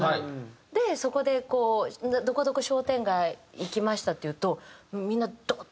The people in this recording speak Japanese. でそこでこう「どこどこ商店街行きました」って言うとみんなドッ！